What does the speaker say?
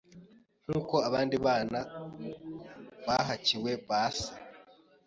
nk’uko abandi bana bahakiwe base.